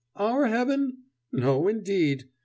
Our heaven? No, indeed!